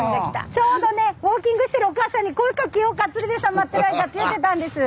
ちょうどねウォーキングしてるおかあさんに声かけようか鶴瓶さん待ってる間って言うてたんです。